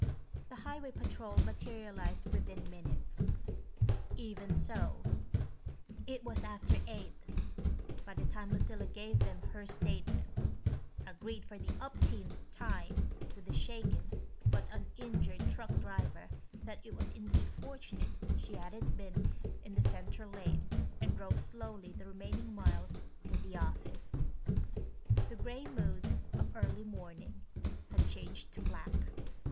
The highway patrol materialized within minutes. Even so, it was after eight by the time Lucilla gave them her statement, agreed for the umpteenth time with the shaken but uninjured truck driver that it was indeed fortunate she hadn't been in the center lane, and drove slowly the remaining miles to the office. The gray mood of early morning had changed to black.